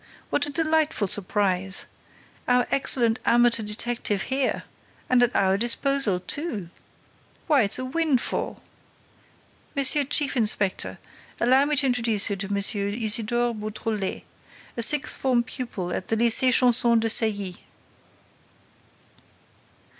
"What a delightful surprise! Our excellent amateur detective here! And at our disposal too! Why, it's a windfall!—M. Chief inspector, allow me to introduce to you M. Isidore Beautrelet, a sixth form pupil at the Lycée Janson de Sailly."